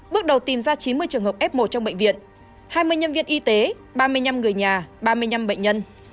bước đầu tìm ra chín mươi trường hợp f một trong bệnh viện hai mươi nhân viên y tế ba mươi năm người nhà ba mươi năm bệnh nhân